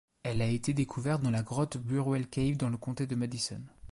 Elle a été découverte dans la grotte Burwell Cave dans le comté de Madison.